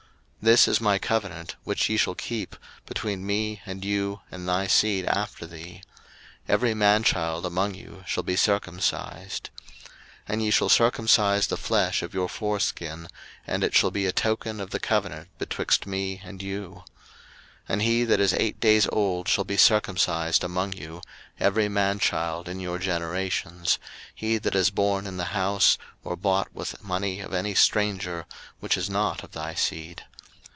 01:017:010 This is my covenant, which ye shall keep, between me and you and thy seed after thee; Every man child among you shall be circumcised. 01:017:011 And ye shall circumcise the flesh of your foreskin; and it shall be a token of the covenant betwixt me and you. 01:017:012 And he that is eight days old shall be circumcised among you, every man child in your generations, he that is born in the house, or bought with money of any stranger, which is not of thy seed.